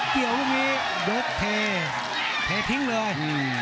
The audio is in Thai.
เกี่ยวลูกนี้ยกเทเททิ้งเลย